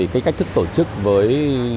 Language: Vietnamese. cách thức tổ chức với